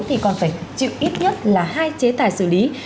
thì còn phải chịu ít nhất là hai chế tài xử lý